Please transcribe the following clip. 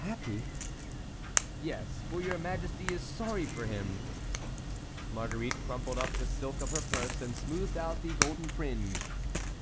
"Happy?" "Yes, for your majesty is sorry for him." Marguerite crumpled up the silk of her purse and smoothed out the golden fringe.